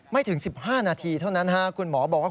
ถึง๑๕นาทีเท่านั้นคุณหมอบอกว่า